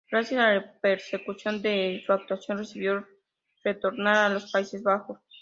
Gracias a la repercusión de su actuación decidió retornar a los Países Bajos.